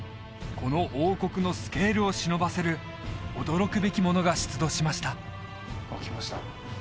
この王国のスケールをしのばせる驚くべきものが出土しましたあっ来ました